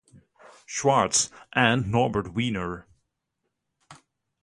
Schwartz, and Norbert Wiener.